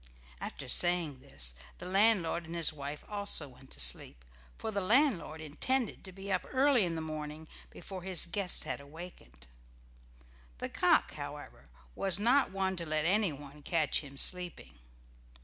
After saying this the landlord and his wife also went to sleep, for the landlord intended to be up early in the morning before his guests had wakened. The cock, however, was not one to let anyone catch him sleeping.